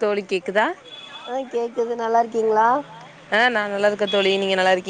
தோழி கேக்குதா அ கேக்குது நல்லாருக்கீங்ளா நா நல்லாருக்க தோழி நீங்க நல்லாருக்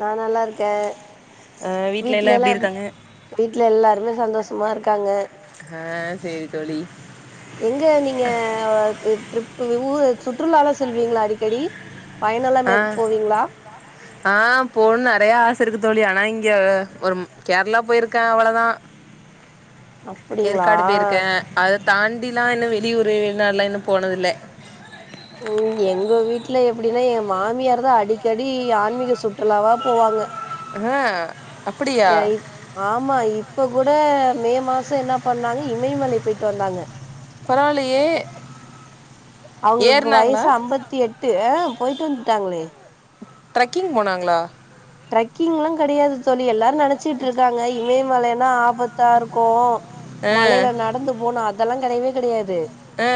நா நல்லாருக்க வீட்ல எல்லா எப்ப வீட்ல எல்லாருமே சந்தோஷமா இருக்காங்க அ சேரி தோழி எங்க நீங்க ட்ரிப் ஊ சுற்றுலாலா செல்வீங்ளா அடிக்கடி பயனல மேர் போவிங்ளா ஆ போணு நறையா ஆச இருக்கு தோழி ஆனா இங்க ஒரு கேர்ளா போயிருக்க அவளதா ஏற்காடு போய்ருக்க அது தாண்டிலா இன்ன வெளியூரு நாலா இன்ன போனதில்ல உம் எங்க வீட்டுல எப்டின்னா என் மாமியார் தான் அடிக்கடி ஆன்மீக சுற்றுலாவா போவாங்க ஆஹ் ஏய் ஆமா இப் இப்ப கூட மே மாசம் என்ன பண்ணாங்க இமயமலை போயிட்டு வந்தாங்க அவ்ங்கள்க்கு வயசு அம்பத்தி எட்டு போய்ட்டுவன்ட்டாங்ளே ட்ரக்கிங் போனாங்ளா ட்ரக்கிங்லா கெடையாது தோழி எல்லாரு நெனச்சிட்ருக்காங்க இமயமலைனா ஆபத்தாருக்கோ மழைல நடந்து போனா அ அதெல்லா கெடயவே கெடயாது அ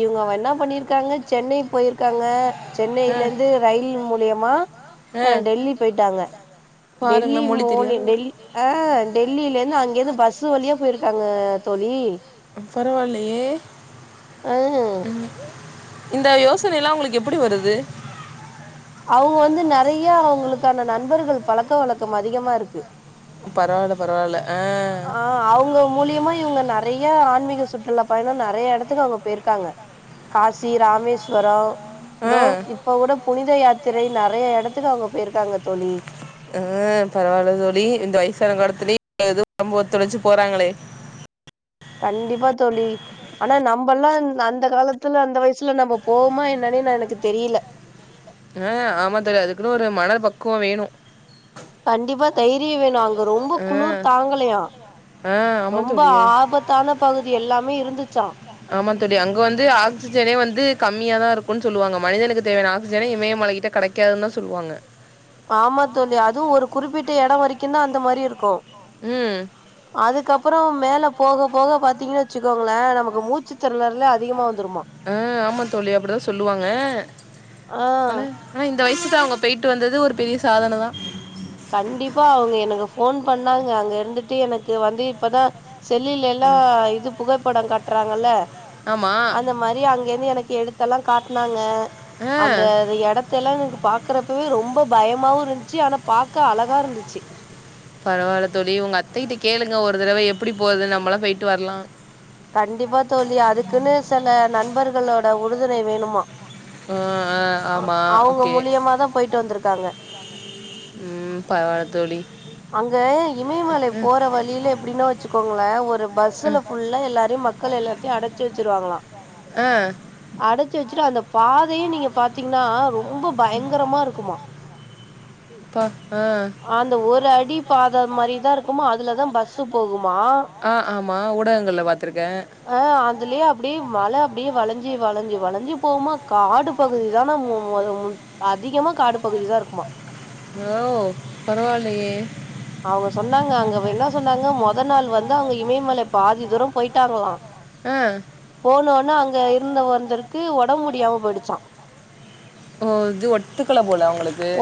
இவுங்கோ வ இன்னா பண்ணியிருக்காங்க சென்னை போயிருக்காங்க சென்னையில இர்ந்து ரயில் மூலிய மா அ டெல்லி போய்ட்டாங்க டெல்லி மோலி டெல்லி அ டெல்லிலேந்து அங்கேந்து பஸ்சு வழியா போய்ருக்காங்க தோழி பரவால்லையே ம் இந்த யோசனயெல்லா அவுங்களுக் எப்படி வருது அவுங்க வந்து நெறைய அவுங்ளுக்கான நண் பர்கள் பழக்க வழக்கம் அதிகமா இருக்கு பரவால்ல பரவால்ல அ அ அவுங்க மூலியமா இவுங்க நெறை ய ஆன்மீக சுற்றுலா பயணோ நெறைய எடத்துக்கு அவுங்கோ போய்ருக்காங்க காசி ராமேஸ்வரோ தோ இப்போ கூட புனித யாத் திரை நெறைய எடத்துக்கு அவுங்க போய்ருக்காங்க தோழி அ பரவால தோழி இந்த வய்சானகாலத்து [inaudible] எதோ ஒடம்பு ஒத்துழச்சு போறாங்களே கண்டிப்பா தோழி ஆனா நம்பல்லா இ அந்த காலத்துல அந்த வய்சுல நம்ப போமா என்னன்னே நா எனக்கு தெரியில அ ஆமா தோழி அதுக்குனு ஒரு மனோ பக்குவோ வேனோ அ அ ஆமா தோழி ஆமா தோழி அங்க வந்து ஆக்சிஜனே வந்து கம்மியாத ருக் குன் சொல்லுவாங்க மனிதனுக்கு தேவையான ஆக் ஸிஜனே இமய மலைகிட்ட கெடைக்காதுன்தா சொல்லுவாங்க ஆமா தோழி அதுவு ஒரு குறிப்பிட்ட இட வரைக்குதா அந்த மாரி இருக்கு ம் அப்பறோ மேலே போக போக பாத்தீங்கன் வச்சுக்கோங்களே நமக்கு மூச்சுத்தெருளலே அதிகமா வ ஆ ஆமா தோழி அப்படிதா சொல்லுவாங்க ஆனா ஆனா இந் ந்த வயசுக்கு அவங்க பெயிட்டு வந்தது ஒரு பெரிய சாதன தா கண்டிப்பா அவங்க எனக்கு ஃபோன் பண்ணாங்க அங்க இருந்துட்டு எனக்கு வந்து இப்பதா செல்லுலைல இது புகைப் பட காட்றாங்கல்ல அந்த மாரி அங்க இருந்து எனக்கு எடுத்தெல்லா காட் னாங்க அந்த இடத்தைல்லா எனக்கு பாக்குறப்ப பவே ரொம்ப பயமாவு இருந்ச்சு ஆனா பாக்க அழகா இருந்துச்சு கேளுங்க ஒரு தடவ எப்புடி போறதுனு நம்மலு பெயிட்டு வரலா கண்டிப்பா தோழி அதுக்குன்னு சில நண்பர் களோட உறுதுணை வேணுமா உம் ஆ ஆமா ஓகே உம் பரவால தோழி அங்க இமயமலை போற வழியில எப்டின்னா வச்சுக்கோ ங்களே ஒரு பஸ்லே ஃபுல்லா எல்லாரையு மக்கள் எல்லாத்தையு அடைச்சு வச்சிருவாங்களா அடைச்சு வச்சுட்டு அந்த பாதையே நீங்க பாத்தீங்ன்னா ரொம்ப பயங்கரமா இருக்குமா அந்த ஒரு பாத மாரி தா இருக்குமா அதுல தா பஸ் போகும் ஆஹ் ஆமா ஊடகங்கள்லே பாத்துருக்கே மழை அப்புடியே வளஞ்சு வளஞ்சு வளஞ்சு போகுமா காடு பகுதி தான மோ [unintelligible] அதிகமா காடுப் ஹோவ் பரவாலயே அவங்க சொன்னாங்க அங்க என்ன சொன்னாங்க மொத நாள் வந்து அவங்க இமயமலை பாதி தூர போய்ட்டாங்களா போனோனா அங்க இருந்த வந்தர் க்கு ஒடம்பு முடியாம போய்டிச்சா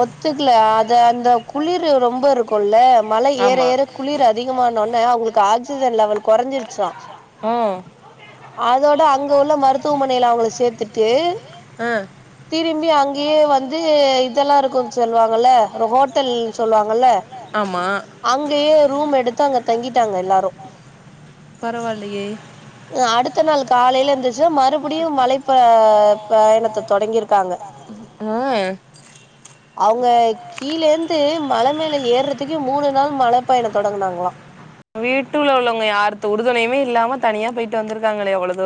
ஒத்துக்கல அது அந்த குளிரு ரொம்ப இருக்கு கொல்ல மழை ஏற ஏற குளிர் அதிகமானொன்ன அவங்ளுக்கு ஆக்சிஜன் லெவல் கொறஞ்சிருச்சா அதோட அங் அங்க உள்ள மருத்துவமனைல அவங்ள சேத்துட்டு திரிம்பி அங் கியே வந்து இதெல்லா இருக்குன் சொல்வாங்கல்ல ஒரு ஹோட்டல் சொல்வாங்கல்ல அங்கயே ரூம் எடுத்து அங்க தங் விட்டாங்க எல்லாரு பரவால்லயே அ அடுத்த நாள் காலைல எந்துருச்சு மறுபடியு மழைப்ப பயணத்த தொடங்கியிருக்காங்க அவுங்க கீழேந்து மல மேல ஏறதுக்கே மூணு நாள் மல பயணோ தொடங்குனாங்களா வீட்டுல்ல உள்ளவங்கயாரத்து உறுதுணையுமே இல்லாம தனியா போயிட்டு வந்திருக்காங்களே அவ்ளோ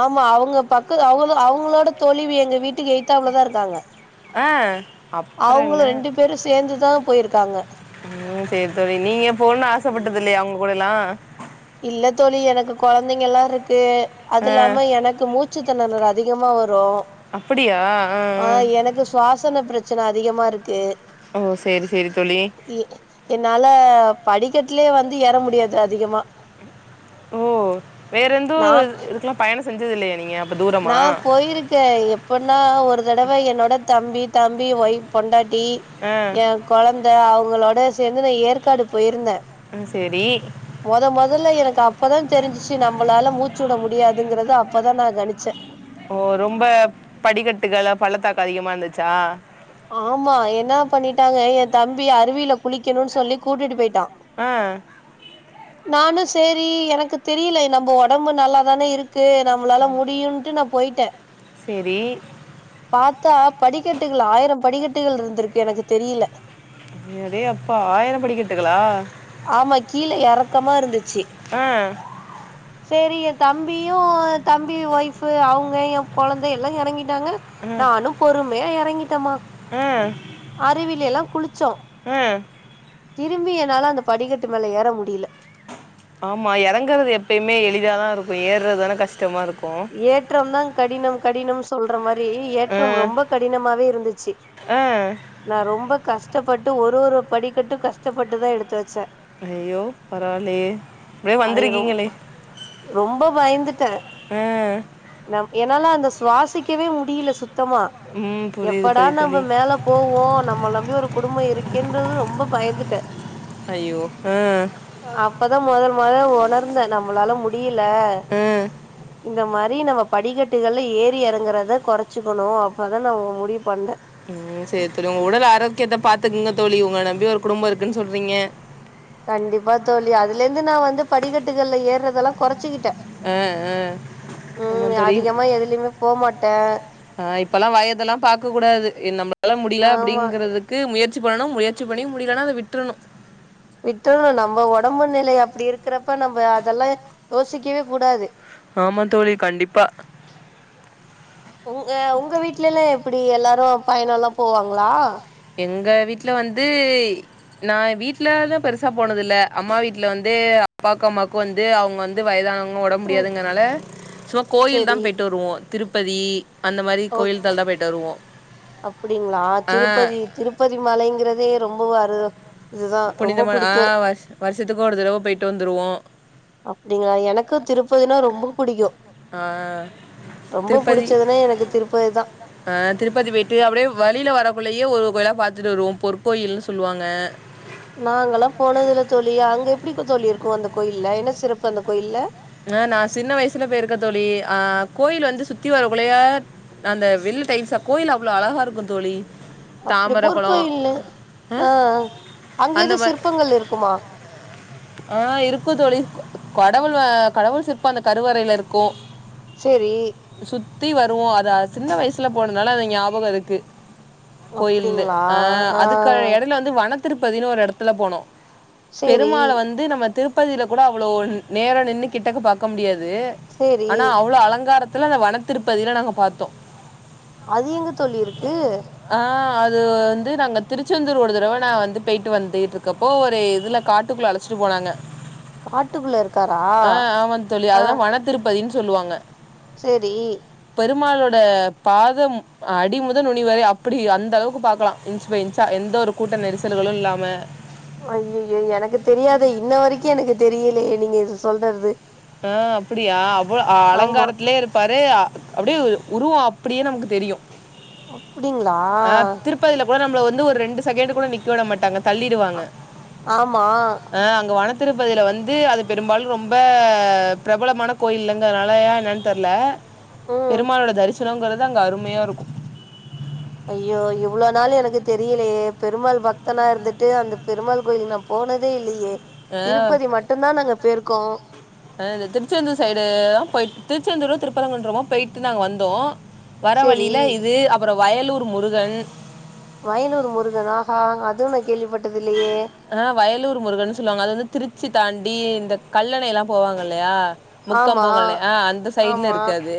ஆமா அவங்க பக்கு அவுங்கதா அவுங்ளோட தொழிவு எங்க வீட்டுக்கு எய்த்தாவுளதா இருக்காங்க அ அப்ற என்ன ம் சேரி தோழி நீங்க போனு ஆசப் ட்டது இல்லயே அவுங்க கூட எல்லா திங்கலா இருக்கு அதுல்லாம எனக்கு மூச்சுத்தினரல் அத் திகமா வர் ரு ஆ எனக்கு சுவாசன ப்ரச் ச்சன அதிகமா இருக்கு ஒ சேரி சேரி தோழி என்னால படிக்கட்யே வந்து ஏற முடியாது அதிகமா ஓ வேறொந்தோ இதுக்லா பயண செஞ்சதுல்லயா நீங்க நா போயிருக்கே எப்பனா ஒரு தடவ என்னோட தம்பி தம்பி ஒய்ஃப் பொண்டாட் டி ஏ குழந்த அவுங்களோட் கூட சேந்து நா ஏற்காடு போய்ருந்த மொத மொதல்ல எனக்கு அப்பதா தெரிஞ்சிச்சு நம்மளால மூச் உட முடியாத் துங்றது அப்பதா நா கனிச் ச ஓ ரொம்ப படிக்கட்டுகள் பள்ளத்தாக் அதிகமா இருந்துச்சா ஆமா என்னா பண்ணிட்டாங்க ஏ தம்பி அருவியில குளிக்கணும்னு சொல்லி கூட்டிட்டு போயிட் ஆஹ் நானும் சேரி எனக்கு தெரியல நம்போ ஒடம்பு நல்லாதானே இருக் கு நம்பளால முடியுட்டு நான் போயிட் ட்டு பார்த்தா படிக்கட்டுக்கள் ஆயிரம் படிகட்டுகள் இருந்திருக்கு எனக்கு தெரியல டே அப்பா ஆயிரம் படிக்கட்டுகலா ஆஹ் சேரி என் தம்பியும் தம்பி ஒய்ஃப் அவுங் க என் கொழந்தை எல்லாம் எறங்கி ட்டாங்க நானும் பொறுமையா எறங்கி தயா அருவில எல்லாம் குளிச்சோம் திரும்பி என்னால அந்த படிக்கட்டு மேல ஏற முடியுல ஆமா எறங்குறது எப்பயுமே எளிதாதான் இருக்கும் ஏர்றது தானே கஷ்டமா இருக்கு ஏற்றம் தான் கடினம் கடினம் சொல்ற மாரித்தா மாரி ஏற்றம் ரொம்ப கடினமாவே இருந்துச்சு நா ரொம்ப கஷ் கஷ்டப்பட்டு ஒரு ஒரு படிக்கட்டு கஷ்டப்பட்டுதான் எடுத்து வச்சேன் ஐயோ பரவாலயே ப்படியே வந்திருக்கீங்களே பயந்துட்டே நம் என்னாலாம் அந்த சுவாசிக்கவே முடியல சுத் தமா எப்படா நம்ம மேல போவோம் நம்மல நம்பி ஒரு குடும்பம் இருக்கேன்ற ரொம்ப பயந்துட்டே அயோ உம் உணர்ந்தே நம்மளால முடிய ல்ல இந்த மாரி நம்ம படிக்கட்டுகள்ல ஏறி எறங்கறத கொறைச்சுக்கணும் அப்பதான் நம்ம முடி உம் [unintelligible] உடல் ஆரோக்கியத்தை பாத்துக்குங்க தோழி உங்கள நம்பி ஒரு குடும்பம் இருக்குன்னு சொல்றீங்க கண்டிப்பா தோழி அதுல இருந்து நான் வந்து படிகட்டுகள்ல ஏறதெல்லாம் குறைச்ச அஹ்ஹ் ஆமா தோழி ஆஹ் இப்பல்லாம் வயதெல்லாம் பாக்கக் கூடாது நம்மளால முடியல அப்படிங்கறதுக்கு முயற்சி பண்ணணும் முயற்சி பண்ணி முடியலனா அதை விட்டுறணும் விட்டுணும் நம்ம உடம்பு நிலை அப்படி இருக்கு இருக்கிறப்ப நம்ம அதெல்லாம் யோசிக்கவே கூடாது ஆமா தோழி கண்டிப்பா உங்க வீட்லல்லா எப்படி எல்லாரும் பயணம் எல்லாம் போவாங்களா எங்க வீட்ல வந்து நான் வீட்லதான் பெருசா போனதில்ல அம்மா வீட்டுல வந்து அப்பாவுக்கு அம்மாக்கும் வந்து அவங்க வந்து வயதானவ உடம்பு முடியாதுங்கனால சும்மா கோயில் தான் போயிட்டு வருவோம் திருப்பதி அந்த மாதிரி கோயில் தால் தான் போய்ட்டு வருவோம் திருப்பதி மலைங்கிறதே ரொம்ப [unintelligible] புனிதமான ஆஹ வரு வருஷத்துக்கு ஒரு தடவை போயிட்டு வந்துருவோம் அப்படிங்களா எனக்கும் திருப்பதினா ரொம்ப பிடிக்கும் ஆஹ் திருப்பதி அஹ் திருப்பதி போயிட்டு அப்படியே வழியில வரக்குள்ளயே ஒரு பார்த்துட்டு வருவோம் பொற்கோயில்ன்னு சொல்லுவாங்க நா அங்கல்லாம் போனதுல தோழி அங்க எப்படி தோழி இருக்கும் அந்த கோயில்ல என்ன சிறப்பு அந்த கோயில்ல அந்த வில்டைம் கோயில் அவ்வளோ அழகா இருக்கும் தோழி அப்படி பொற்கோயில் ஆஹ் அங்க எது சிற்பங்கள் இருக்குமா ஆஹ் இருக்கும் தோழி கடவுள் கடவுள் சிற்பம் அந்த கருவறையில இருக்கும் சரி சுத்தி வருவோம் அது சின்ன வயசுல போனதுனால அது ஞாபகம் இருக்கு கோயில் அஹ் அதுக்கான இடல வந்து வன திருப்பதினு ஒரு இடத்துல போனோம் பெருமாளை வந்து திருப்பதியில கூட அவ்வளவு நேரம் நின்னு கிட்டக்க பார்க்க முடியாது து ஆனா அவ்வளவு அலங்காரத்தை அந்த வனத்திருப்பதியிலாம் நாங்க பார்த்தோம் அது எங்க தோழி இருக்கு வந்து நாங்க திருச்செந்தூர் ஒரு தடவை நான் வந்து போயிட்டு வந்துட்டு இருக்கப்போ ஒரு இடத்துல காட்டுக்குள்ள போனாங்க ஆஹ் ஆமான் தோழி அதுதான் வனத்திருப்பதின்னு சொல்லுவாங்க சேரி பெருமாளோட பாதம் அடிமுதல் நுனிவரை அப்படி அந்த அளவுக்கு பாக்கலா இன்ச் பை இன்சா எந்த ஒரு கூட்ட நெரிசல்களும் இல்லாம ஐயையோ எனக்கு தெரியாது இன்ன வரைக்கு எனக்கு தெரியலே நீங்க இது சொல்டர்து அ அப்புடியா அவளோ அ அலங்காரத்துலே இருப்பாரு அப்டே உருவோ அப்புடியே நமக்கு தெரியு அ திருப்பதில கூட நம்ப்ள வந்து ஒரு ரெண்டு செக்கேண்டு கூட நிக்க விட மாட்டாங்க தள்ளிடுவாங்க ஆமா திருப்பதில வந்து அது பெரும்பாலு ரொம்ப ப்ரபலமான கோயில்லந்துனாலய என்னனு தெர்ல பெருமாளோலோட தரிஸ் தினோங்குறது அங்க அருமையா இருக்கு ஐயோ இவ்ளோ நாள்எனக்கு தெரியலயே பெருமாள் பக்தனா இருந்துட்டு அந்த பெருமாள் கோயிலுக்கு நா போனதே இல்லயே திருப்பதி மட்டும்ந்தா நாங்க பேருக்கோ அ திருச்செந்தூர் சைடு தா பேயிட் திருச்செந்தூர் திருப்பரங்குன்றமா பேயிட்டு நாங்க வந்தோ வர வழில இது அப்பறோ வயலூர் முருகன் வயலூர் முருகன்னா அ ஹா அதுவு நா அ வயலூர் முருகன்னு சொல்லுவாங்க அது வந்து திருச்சி தாண்டி இந்த கல்லணைல்லா போவாங்க இல்லயா முக்கம்போங்கல்லே அ அந்த சைட்ல இருக்கு அது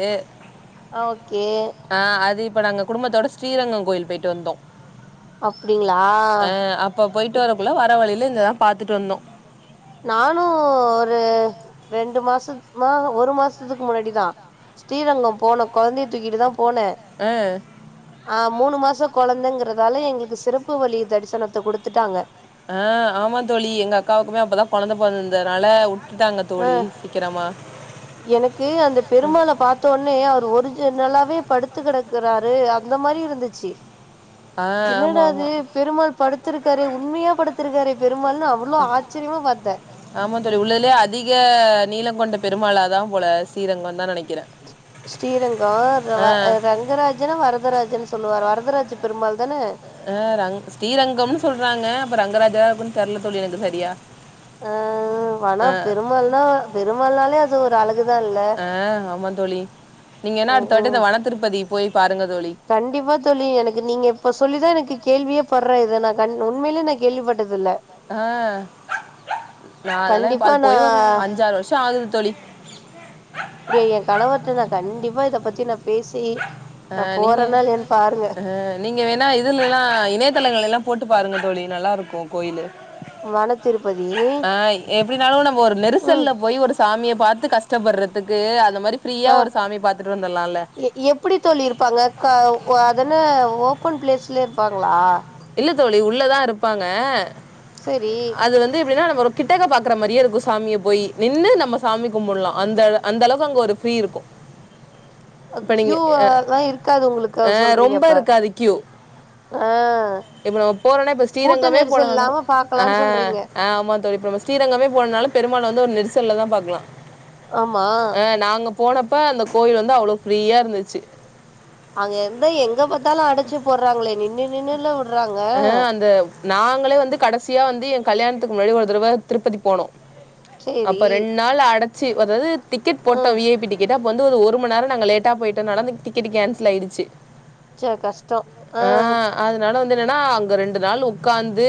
அ அது இப்ப நாங்க குடும்பத்தோட ஸ்ரீரங்கம் கோயில் பேயிட்டு வந்தோ அப்டிங்ளா இப்போ போயிட்டு வரக்குள்ள வர வழியில இந்ததா பாத்துட்டு வந்தோ ஒரு ரெண்டு மாசத் மா ஒரு மாசத்துக்கு முன்னடிதா ஸ்ரீரங்கம் போன கொழந்தைய தூக்கிட்டு தா போன ஆ மூணு மாச கொழந்தைங்கறதால எங்ளுக்கு சிறப்பு வழி தரிசனத்த குடுத்துட்டாங்க அ ஆமா தோழி எங்க அக்காவுக்குமே அப்பதா கொழந்தை பொறந்துருந்தனால விட்டாங்க தோழி சீக்கிரமா எனக்கு அந்த பெருமாள பாத்தோனே அவர் ஒரிஜினல் நல்லாவே படுத்து கெடக்குறாரு அந்த மாரி இருந்துச்சு என்னடா இது பெருமாள் படு துருக்காரே உண்மயா படுத்துருக்காரே பெர் ஆமா தோழி உள்ளதுலே அதிக நீளம் கொண்ட பெருமாளா தா போல ஶ்ரீரங்கோ தா நெனக்கிற ஸ்ரீரங்கோ ர வ அ ரங்கராஜன வரதராஜன்னு சொல்லுவார் வரத் துராஜ பெருமாள் தான அ ரங் ஸ்ரீரங்கம்னு சொல்றாங்க அப்ப ரங்கராஜா இருக்குன்னு தெர்ல தோழி எனக்கு சரியா அ வனா பெருமாள்னா பெருமாள்னாலே அது து ஒரு அழகு அ ஆமா தோழி நீங்க என்ன அடுத்த வாட்டி அந்த வன திருப்பதி கண்டிப்பா தோழி எனக்கு நீங்க இப்ப சொல்லிதா எனக்கு கேள்வியே பற்ற இத நா கண் உண்மலே நா கேள்விப்பட்டதுல்ல அ நா அதலா இப்போ அது போய் வர அஞ்சாறு வர்ஷ் ஆகுது தோழி ப்படியா ஏ கணவர்ட்ட நா கண்டிப்பா இத பத்தி நா பேசி அ நீங்க வேணா இதுலல்லா இணையதளங்கள்லா எல்லா போட்டு பாருங்க தோழி நல்லாருக்கு கோயிலு வணத் அ எப்டினாலு நம்ப ஒரு நெரிசல்ல போய் ஒரு சாமிய பாத்து கஷ்ட்டப்பட்றதுக்கு அ எ எப்புடி தோழி இருப்பாங்க க ஒ அதன்ன ஓ பன் ப்ளேஸ்லே இர்ப்பாங்ளா இல்ல தோழி உள்ளதா இருப்பாங்க அது வந்து எப்டின்னா நம்ம ரோ கிட்டக பாக்குற மரியே இருக்கோ சாமிய போயி நின்னு நம்ம சாமி கும்பிலா அந்த அந்த அளவுக்கு அங்க ஒரு ஃப்ரீ இருக்கு அ க்யூ அல்லா இருக்காது உங்ளுக்கு அத சொல்றீங்க அப்ப அ இப்ப நம்ம போறோனா இப்ப ஸ்ரீரங்கமே போனாலு அ ஆமா தோழி இப்ப நம்ம ஸ்ரீரங்கமே போனோனாலு பெருமாள் வந்து ஒரு நெரிச சல்ல தா பாக்லா ஆமா போனப்ப அந்த கோயில் வந்து அவ்ளோ ஃப்ரீயா இருந்துச்சு அங்க இருந்த எங்க பாத்தாலு அடச்சு போடுறாங்களே நின்னு நின்னுல்ல ற்றாங்க நாங்களே வந்து கடசியா வந்து எ கல்யாணத்துக்கு முன்னாடி ஒரு தடவ திருப்பதி போனோ அப்ப ரெண் நாள் அடச் சீவ் அதாது ticket photo V I P ticket இதப் வந்து வது ஒரு மண் நேர நாங்க லோட்டா பொயிட்டதுனால அந்த டிக்கட் கேன்சல் ஆயிடுச்சி ச கஷ்ட்டோ அ து என்னனா அங்க ரெண்டு நாள் உக்காந்து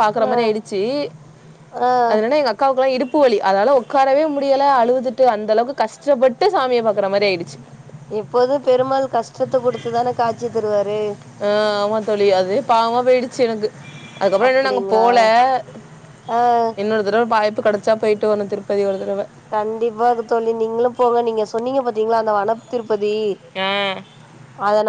பாக்குற மாரி ஆய்டுச்சு அதனாலா எங் அக்காவு க்லா இடுப்பு வழி அதால உட்காரவே முடியலை அழுதுட்டு அந்த அளவுக்கு கஷ்டப்பட்டு சாமியை பாக்குற மாரி ஆயிடுச்சு எப்போதும் பெருமாள் கஷ்டத்த கொடுத்துதானே காட்சி தருவாரு ஆ ஆமா தோழி அதே பாவமா போயிடுச்சு எனக்கு அதுக்கப்புறம் இன்னும் நாங்க போல இன்னொரு தடவ ப பு கடைச்சா போயிட்டு வரனு திருப்பதி ஒரு தடவை கண்டிப்பாக தோழி நீங்களும் போங்க நீங்க சொன்னீங்க பாத் திங்களா அந்த வன திருப்ப பதி அதனா